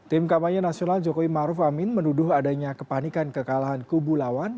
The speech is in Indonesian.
tim kampanye nasional jokowi maruf amin menuduh adanya kepanikan kekalahan kubu lawan